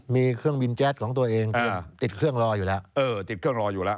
มีเครื่องบินแจ๊ดของตัวเองติดเครื่องรออยู่แล้ว